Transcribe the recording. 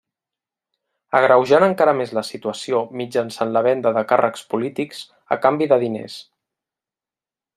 Agreujant encara més la situació mitjançant la venda de càrrecs polítics a canvi de diners.